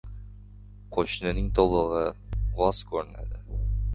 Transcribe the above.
• Qo‘shnining tovug‘i g‘oz ko‘rinadi.